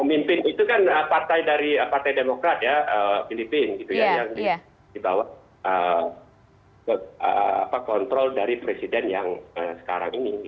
pemimpin itu kan partai dari partai demokrat ya filipina gitu ya yang dibawa ke kontrol dari presiden yang sekarang ini